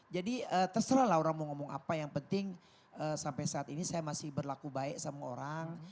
jadi terserah lah orang mau ngomong apa yang penting sampai saat ini saya masih berlaku baik sama orang